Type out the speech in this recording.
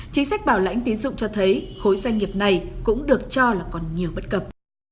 chính sách bảo lãnh tín dụng cho thấy khối doanh nghiệp này cũng được cho là còn nhiều bất cập